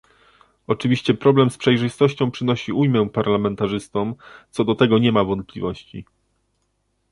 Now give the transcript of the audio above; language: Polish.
Oczywiście problem z przejrzystością przynosi ujmę parlamentarzystom, co do tego nie ma wątpliwości